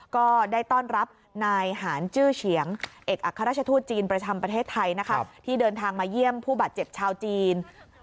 ก็ได้ต้อนรับนายหารจื้อเฉียงเอกอัครราชทูตจีนประจำประเทศไทยนะคะที่เดินทางมาเยี่ยมผู้บาดเจ็บชาวจีน